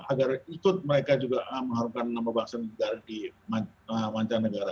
agar ikut mereka juga mengharukan nama bangsa negara di manca negara